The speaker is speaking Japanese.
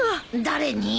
誰に？